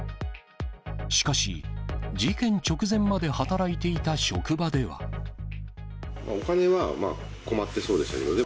しかし、事件直前まで働いていたお金はまあ、困ってそうでしたけどね。